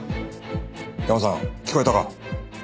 ヤマさん聞こえたか？